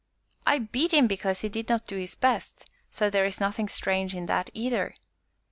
"I beat him because he did not do his best so there is nothing strange in that either."